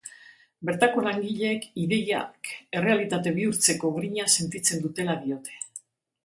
Bertako langileek ideiak errealitate bihurtzeko grina sentitzen dutela diote.